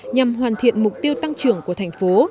nhằm hoàn thiện mục tiêu tăng trưởng của thành phố